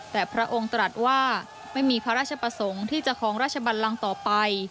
แต่พระองค์ตรัสว่าไม่มีพระราชประสงค์ที่จะครองราชบันลังต่อไป